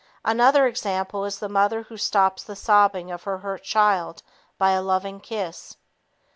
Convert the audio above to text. Another example is the mother who stops the sobbing of her hurt child by a loving kiss.